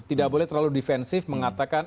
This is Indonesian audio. tidak boleh terlalu defensif mengatakan